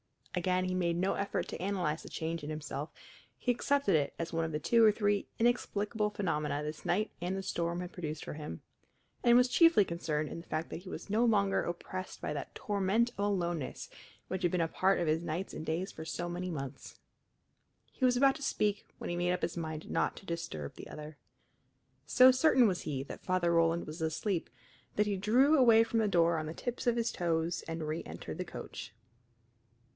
Again he made no effort to analyze the change in himself; he accepted it as one of the two or three inexplicable phenomena this night and the storm had produced for him, and was chiefly concerned in the fact that he was no longer oppressed by that torment of aloneness which had been a part of his nights and days for so many months. He was about to speak when he made up his mind not to disturb the other. So certain was he that Father Roland was asleep that he drew away from the door on the tips of his toes and reëntered the coach.